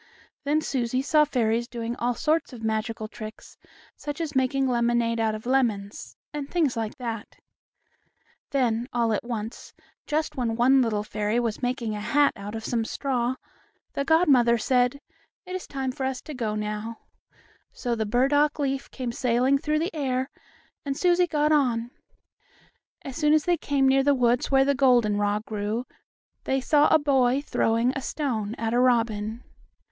Then Susie saw fairies doing all sorts of magical tricks, such as making lemonade out of lemons, and things like that. Then, all at once, just when one little fairy was making a hat out of some straw, the godmother said: "It is time for us to go now," so the burdock leaf came sailing through the air, and Susie got on. As they came near the woods where the goldenrod grew they saw a boy throwing a stone at a robin.